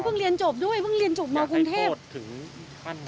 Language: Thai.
เพิ่งเรียนจบด้วยเพิ่งเรียนจบมคุณเทพฯอยากให้โทษถึงขั้นไหน